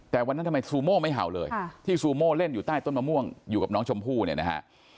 แต่วันนั้นทำไมซูโม่ไม่เห่าเลยที่ซูโม่เล่นอยู่ใต้ต้นมะม่วงอยู่กับน้องชมพู่เนี่ยนะฮะ